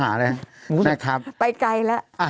มันเหมือนอ่ะ